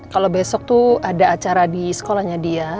kalau besok tuh ada acara di sekolahnya dia